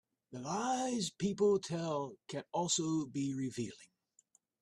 The lies people tell can also be revealing.